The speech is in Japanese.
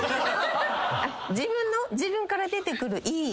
自分の自分から出てくるいい。